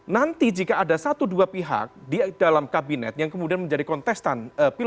nanti jika ada satu dua pihak di dalam kabinet yang kemudian menjadi kontestan